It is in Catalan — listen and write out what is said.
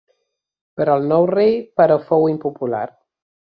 Però el nou rei però fou impopular.